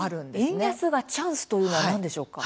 円安がチャンスというのは何でしょうか？